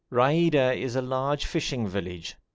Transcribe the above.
Raida is a large fishing village.